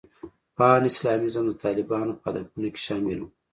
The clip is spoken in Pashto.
پان اسلامیزم د طالبانو په هدفونو کې شامل و.